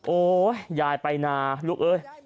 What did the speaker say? โอ๊ยยายไปนาลูกเอ้ย